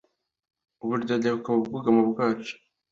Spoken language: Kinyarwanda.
uburyarya bukaba ubwugamo bwacu.»